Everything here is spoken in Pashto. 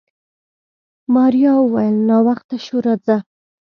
ماريا وويل ناوخته شو راځه.